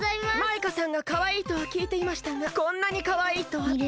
マイカさんがかわいいとはきいていましたがこんなにかわいいとは。